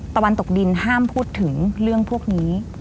ตะวันตกดินห้ามพูดถึงเรื่องพวกนี้